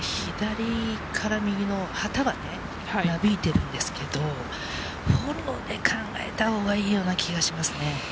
これ左から右の、旗はなびいているんですけれど、フォローで考えたほうがいいような気がしますね。